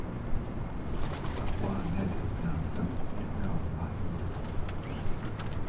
بەخوا نە دەتناسم، نە ناوم مەحموودە